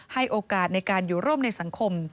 ให้โอกาสในการอยู่ร่วมในสังคม